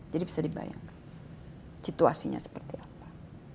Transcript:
jadi bisa dibayangkan situasinya seperti apa